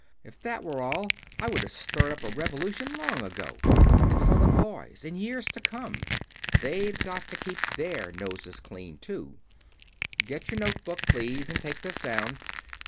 If that were all, I would have stirred up a revolution long ago. It's for the boys, in years to come. They've got to keep their noses clean, too. Get your notebook, please, and take this down.